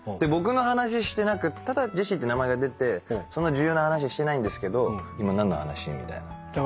僕の話してなくただ「ジェシー」って名前が出てそんな重要な話してないんですけど今何の話？みたいな。